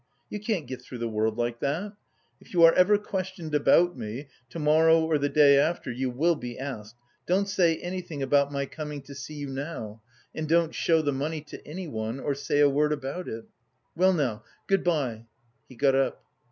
You can't get through the world like that. If you are ever questioned about me to morrow or the day after you will be asked don't say anything about my coming to see you now and don't show the money to anyone or say a word about it. Well, now good bye." (He got up.)